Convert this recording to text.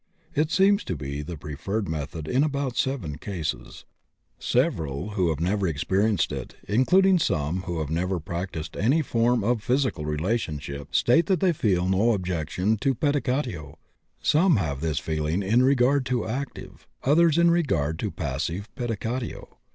It seems to be the preferred method in about 7 cases. Several who have never experienced it, including some who have never practised any form of physical relationship, state that they feel no objection to pedicatio; some have this feeling in regard to active, others in regard to passive, pedicatio.